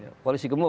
itu ada koalisi gemuk